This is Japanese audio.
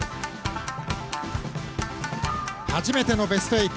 初めてのベスト８。